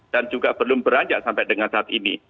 dan juga belum beranjak sampai dengan saat ini